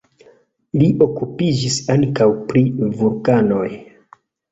Li okupiĝis ankaŭ pri vulkanoj.